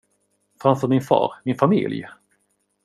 Framför min far, min familj?